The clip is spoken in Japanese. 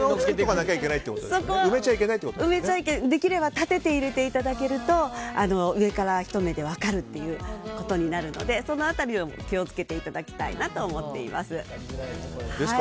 できれば、立てていただけると上からひと目で分かるということになるのでその辺りは気を付けていただきたいなと思っています。